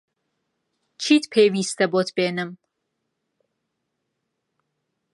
چیت پێویستە بۆت بێنم؟